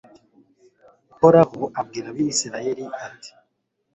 uhoraho abwira abayisraheli, ati